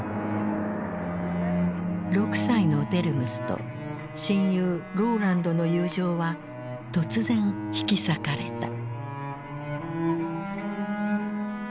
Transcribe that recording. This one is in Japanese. ６歳のデルムスと親友ローランドの友情は突然引き裂かれた。